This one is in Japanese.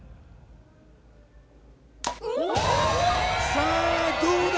さあどうだ！？